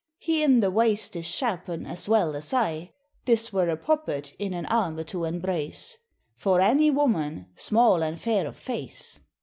He in the waste is shapen as wel as I: This were a popet, in an arme to enbrace For any woman, smal and faire of face.